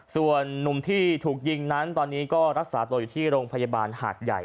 ส่วนนุ่มที่ถูกยิงนั้นตอนนี้ก็รักษาตัวอยู่ที่โรงพยาบาลหาดใหญ่